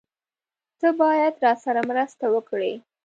تۀ باید راسره مرسته وکړې!